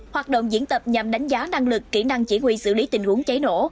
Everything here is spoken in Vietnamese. hoạt động diễn tập nhằm đánh giá năng lực kỹ năng chỉ huy xử lý tình huống cháy nổ